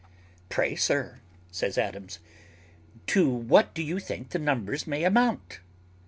"Pray, sir," said Adams, "to what do you think the numbers may amount?"